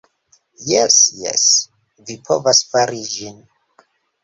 Jes jes, vi povas fari ĝin.